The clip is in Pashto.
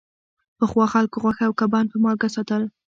پخوا خلکو غوښه او کبان په مالګه ساتل.